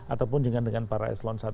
ataupun dengan para eselon satu